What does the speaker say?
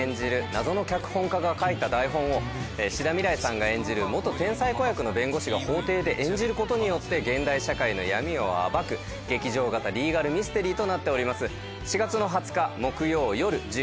謎の脚本家が書いた台本を志田未来さんが演じる天才子役の弁護士が法廷で演じることによって現代社会の闇を暴く劇場型リーガルミステリーとなっております。